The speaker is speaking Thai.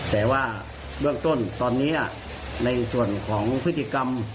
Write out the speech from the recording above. แต่ว่าเบื้องต้นตอนนี้ในส่วนของพฤติกรรม